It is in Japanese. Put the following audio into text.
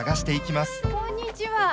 こんにちは。